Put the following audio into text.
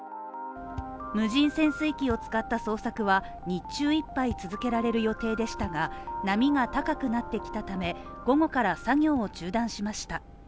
無人潜水機を使った捜索は日中いっぱい続けられる予定でしたが波が高くなってきたため午後から作業を中断しました。